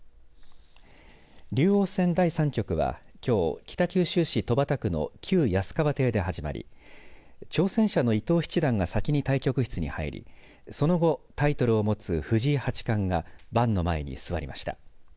竜王戦第３局はきょう、北九州市戸畑区の旧安川邸で始まり挑戦者の伊藤七段が先に対局室に入りその後タイトルを持つ藤井八冠が盤の前に座りました。